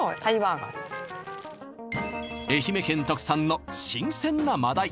愛媛県特産の新鮮な真鯛